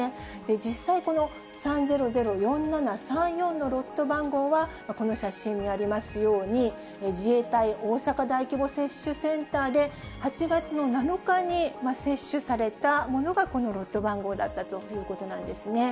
実際、この３００４７３４のロット番号は、この写真にありますように、自衛隊大阪大規模接種センターで８月の７日に接種されたものが、このロット番号だったということなんですね。